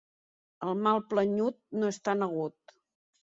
El mal planyut no és tan agut.